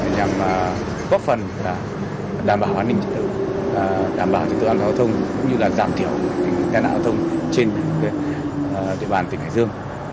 nhằm góp phần đảm bảo an ninh trật tự đảm bảo trật tự an toàn giao thông cũng như giảm thiểu tai nạn giao thông trên địa bàn tỉnh hải dương